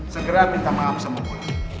segera minta maaf semua